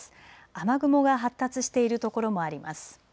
雨雲が発達している所もあります。